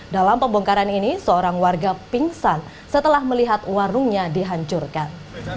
dalam pembongkaran ini seorang warga pingsan setelah melihat warungnya dihancurkan